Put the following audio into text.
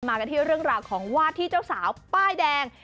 กันที่เรื่องราวของวาดที่เจ้าสาวป้ายแดง